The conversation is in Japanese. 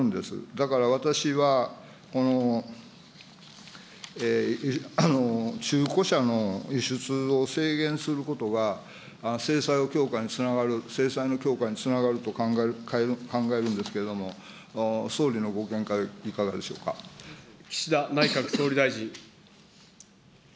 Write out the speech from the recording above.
だから私は、中古車の輸出を制限することが、制裁を強化につながる、制裁の強化につながると考えるんですけれども、岸田内閣総理大臣。